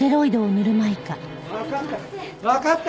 わかった。